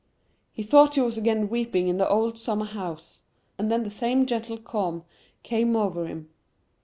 He thought he was again weeping in the old summer house, and then the same gentle calm came over him.